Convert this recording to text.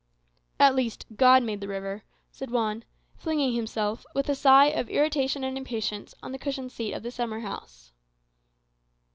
"At least, God made the river," said Juan, flinging himself, with a sigh of irritation and impatience, on the cushioned seat of the summer house.